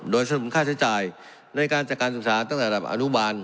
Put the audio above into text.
โดยสนุนค่าใช้จ่ายในการจัดการศึกษาตั้งแต่ระดับอนุบาล